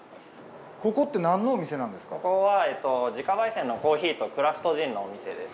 ここは自家焙煎のコーヒーとクラフトジンのお店です。